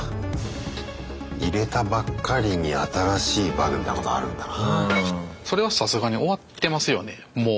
入れたばっかりに新しいバグみたいなことあるんだな。